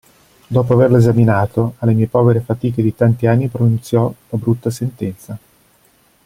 Dopo averlo esaminato, alle mie povere fatiche di tanti anni pronunziò la brutta sentenza.